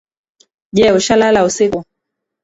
Je ushalala usiku?